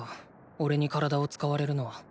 おれに体を使われるのは。